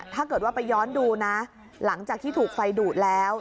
ถ้าเกิดว่าไปย้อนดูนะหลังจากที่ถูกไฟดูดแล้ว